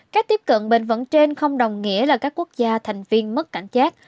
các tiếp cận bền vận trên không đồng nghĩa là các quốc gia thành viên mất cảnh giác